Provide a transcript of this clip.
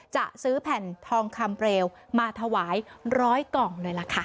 จะซื้อแผ่นทองคำเปลวมาถวาย๑๐๐กล่องเลยล่ะค่ะ